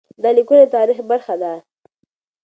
دا لیکونه د تاریخ برخه دي.